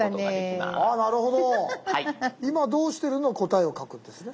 あなるほど「いまどうしてる？」の答えを書くんですね？